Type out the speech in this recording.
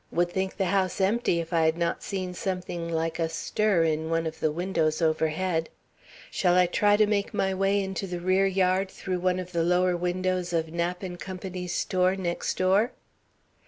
Would think the house empty if I had not seen something like a stir in one of the windows overhead. Shall I try to make my way into the rear yard through one of the lower windows of Knapp & Co.'s store, next door?"